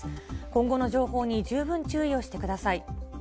今後の情報に十分注意をしてください。